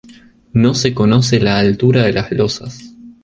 No se conoce la altura de las losas.